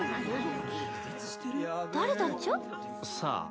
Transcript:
誰だっちゃ？さあ。